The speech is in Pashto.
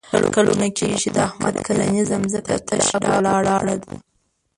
کلونه کېږي چې د احمد کرنیزه ځمکه تش ډاګ ولاړه ده.